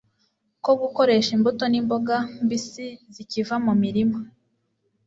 ko gukoresha imbuto n’imboga mbisi zikiva mu mirima